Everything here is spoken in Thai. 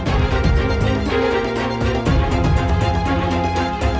ก็ไม่รู้ว่าเกิดอะไรขึ้นข้างหลัง